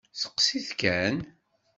Steqsit kan!